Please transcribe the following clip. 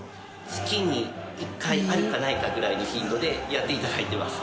月に１回あるかないかぐらいの頻度でやって頂いてます。